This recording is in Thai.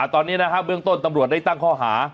ตอนนี้เบื้องต้นตำรวจได้ตั้งข้อหา